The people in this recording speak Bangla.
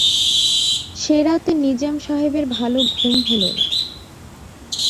সে-রাতে নিজাম সাহেবের ভালো ঘুম হল না।